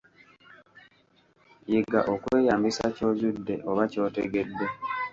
Yiga okweyambisa ky'ozudde oba ky'otegedde.